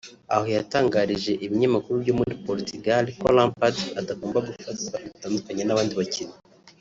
aho yatangarije ibinyamakuru bya Poritigale ko Lampard atagomba gufatwa bitandukanye n’abandi bakinnyi